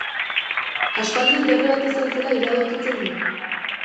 Aspaldi dorre bat izan zela iradokitzen du.